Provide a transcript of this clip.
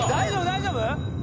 大丈夫？